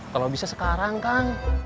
kalau bisa sekarang kang